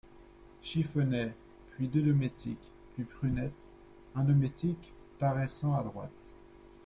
Chiffonnet ; puis deux domestiques ; puis Prunette Un domestique , paraissant à droite.